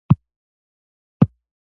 د میرمنو کار د ښځو حقونو پیاوړتیا ده.